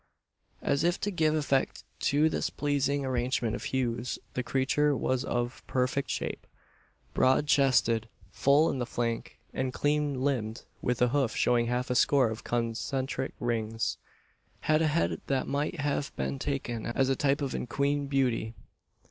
As if to give effect to this pleasing arrangement of hues, the creature was of perfect shape broad chested, full in the flank, and clean limbed with a hoof showing half a score of concentric rings, and a head that might have been taken as a type of equine beauty.